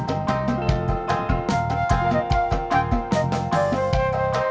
karena jika anda kanédor akan banyak juga